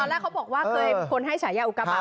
แรกเขาบอกว่าเคยมีคนให้ฉายาอุกาบาท